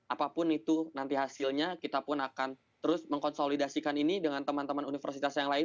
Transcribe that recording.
apapun itu nanti hasilnya kita pun akan terus mengkonsolidasikan ini dengan teman teman universitas yang lain